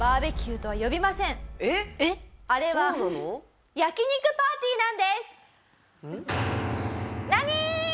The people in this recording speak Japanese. あれは焼肉パーティーなんです。